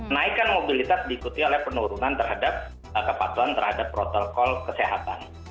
naikan mobilitas diikuti oleh penurunan terhadap kepatuhan terhadap protokol kesehatan